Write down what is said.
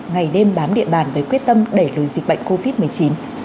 ngày đêm bám địa bàn với quyết tâm đẩy lùi dịch bệnh covid một mươi chín